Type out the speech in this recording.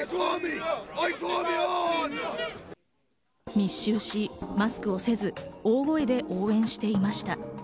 密集しマスクをせず、大声で応援をしていました。